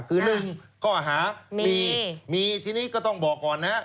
คือ๑ข้อหามีมีทีนี้ก็ต้องบอกก่อนนะฮะ